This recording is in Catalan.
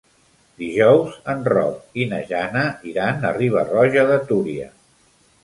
Dijous en Roc i na Jana iran a Riba-roja de Túria.